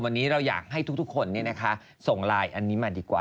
วันนี้เราอยากให้ทุกคนส่งไลน์อันนี้มาดีกว่า